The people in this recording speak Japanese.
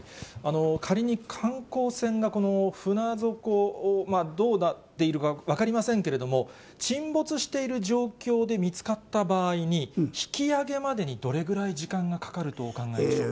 仮に観光船が船底を、どうなっているか分かりませんけれども、沈没している状況で見つかった場合に、引き上げまでにどれぐらい時間がかかるとお考えでしょう。